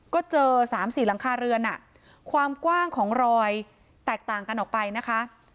ก็เจอ๓๔หลังคาเรือนความกว้างของรอยแตกต่างกันออกไปนะคะ